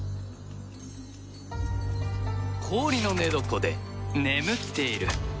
「氷の寝床で眠っている」。